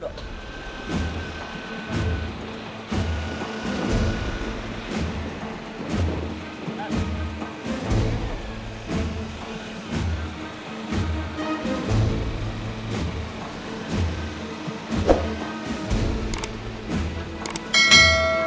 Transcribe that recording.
lo masih inget kan